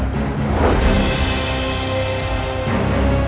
bagaimana kita bisa melepaskan kawa saudara